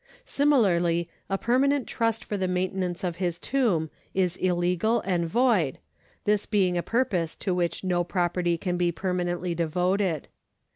^ Similarly a permanent trust for the maintenance of his tomb is illegal and void, this being a purpose to which no property can be permanently devoted.